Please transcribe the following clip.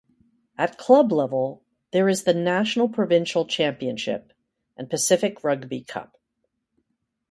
At club level, there is the National Provincial Championship and Pacific Rugby Cup.